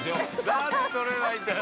◆なんで取れないんだよ。